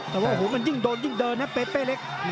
แต่ว่าโอ้โหมันยิ่งโดนยิ่งเดินนะเปเป้เล็ก